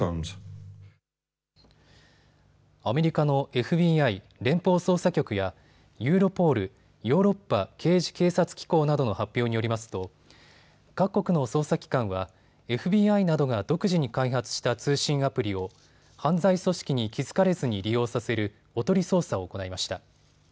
アメリカのＦＢＩ・連邦捜査局やユーロポール・ヨーロッパ刑事警察機構などの発表によりますと各国の捜査機関はＦＢＩなどが独自に開発した通信アプリを犯罪組織に気付かれずに利用させるおとり捜査を行いました。